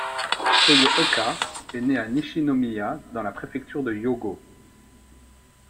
Soyo Oka est née à Nishinomiya dans la préfecture de Hyōgo.